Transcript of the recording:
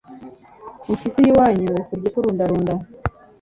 Impyisi y’iwanyu ikurya ikurundarunda